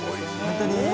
本当に？